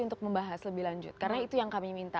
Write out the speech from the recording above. untuk membahas lebih lanjut karena itu yang kami minta